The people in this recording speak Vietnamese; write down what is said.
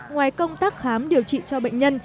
ngoài công tác khám điều trị cho bệnh nhân